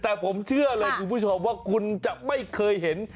แต่ผมเชื่อเลยคุณผู้ชมว่าคุณจะไม่เคยเห็น